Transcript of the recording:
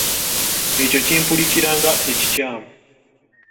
Ekyo kimpulikikira nga ekikyamu.